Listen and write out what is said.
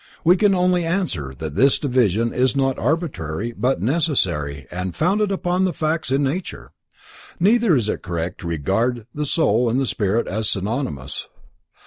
We can only answer that this division is not arbitrary but necessary, and founded upon facts in nature. Neither is it correct to regard the soul and the spirit as synonymous.